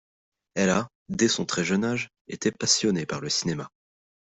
Elle a, dès son très jeune âge, été passionnée par le cinéma.